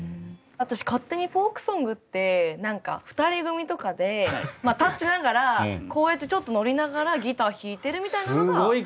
私勝手にフォークソングって何か２人組とかで立ちながらこうやってちょっとノリながらギター弾いてるみたいなのが。